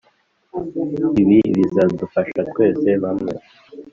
ibi bizadufasha twese bamwe